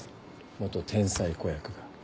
元天才子役が。